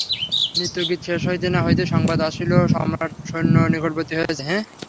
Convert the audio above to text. নৃত্যগীত শেষ হইতে না হইতেই সংবাদ আসিল সম্রাট-সৈন্য নিকটবর্তী হইয়াছে।